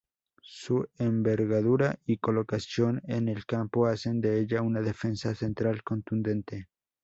Su envergadura y colocación en el campo hacen de ella una defensa central contundente.